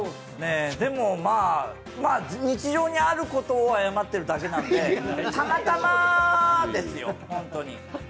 でも日常にあることを謝ってるだけなのでたまたまですよ、ホントに。